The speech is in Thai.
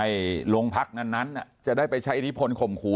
หลวงพักธวรรษนั้นน่ะจะได้ไปใช้อิทธิพลข่มขู่